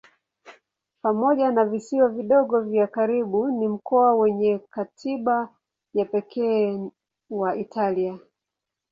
Pamoja na visiwa vidogo vya karibu ni mkoa wenye katiba ya pekee wa Italia.